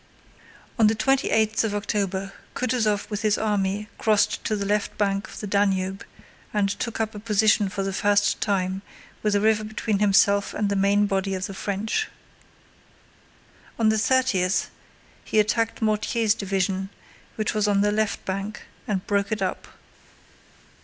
On the twenty eighth of October Kutúzov with his army crossed to the left bank of the Danube and took up a position for the first time with the river between himself and the main body of the French. On the thirtieth he attacked Mortier's division, which was on the left bank, and broke it up.